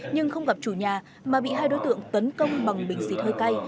nhưng không gặp chủ nhà mà bị hai đối tượng tấn công bằng bình xịt hơi cay